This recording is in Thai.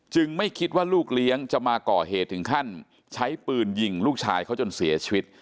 ไม่คิดว่าลูกเลี้ยงจะมาก่อเหตุถึงขั้นใช้ปืนยิงลูกชายเขาจนเสียชีวิต